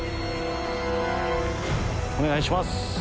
お願いします。